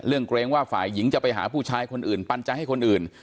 เกรงว่าฝ่ายหญิงจะไปหาผู้ชายคนอื่นปันใจให้คนอื่น